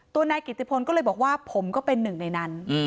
นายกิติพลก็เลยบอกว่าผมก็เป็นหนึ่งในนั้น